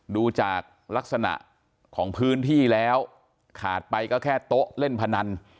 ดูจากลักษณะของพื้นที่แล้วขาดไปก็แค่โต๊ะเล่นพนัน